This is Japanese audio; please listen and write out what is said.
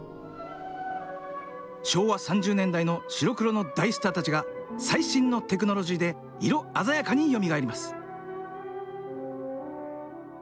昭和３０年代の白黒の大スターたちが最新のテクノロジーで色鮮やかによみがえります。